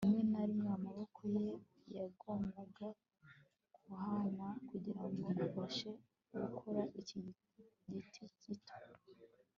rimwe na rimwe amaboko ye yagombaga guhana, kugirango afashe kugora iki giti gito